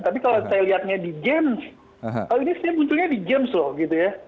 tapi kalau saya lihatnya di james ini saya munculnya di james loh gitu ya